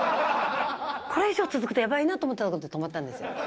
これ以上続くとやばいなと思ったところで止まったんですよ。